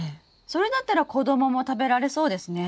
それだったら子供も食べられそうですね。